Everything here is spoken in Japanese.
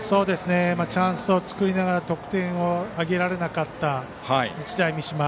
チャンスを作りながら得点を挙げられなかった日大三島。